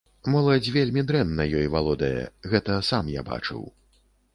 Моладзь вельмі дрэнна ёй валодае, гэта сам я бачыў.